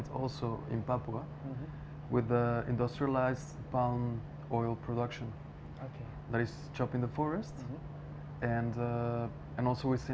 dan kita juga melihatnya di papua dengan produksi minyak minyak palm industrialisasi